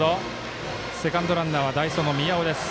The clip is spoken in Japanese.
セカンドランナーは代走の宮尾です。